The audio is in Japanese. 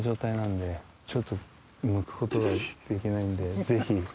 ちょっとむくことができないんで。